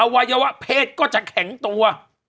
วัยวะเพศก็จะแข็งตัว